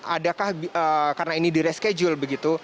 adakah karena ini di reschedule begitu